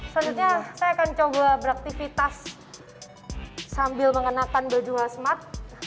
selanjutnya saya akan coba beraktifitas sambil mengenakan baju khas mat